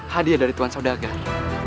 hadiah dari tuhan saudagar